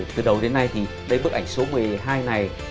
từ đầu đến nay thì đây bức ảnh số một mươi hai này